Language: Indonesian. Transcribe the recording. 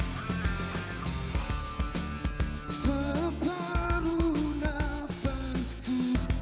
tak usah paruh nafasku